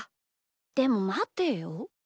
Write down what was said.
でもまてよ？